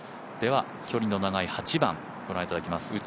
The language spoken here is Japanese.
では、距離の長い８番を御覧いただきます。